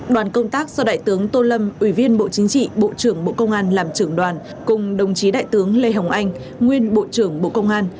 đoàn công tác do đại tướng tô lâm ủy viên bộ chính trị bộ trưởng bộ công an làm trưởng đoàn cùng đồng chí đại tướng lê hồng anh nguyên bộ trưởng bộ công an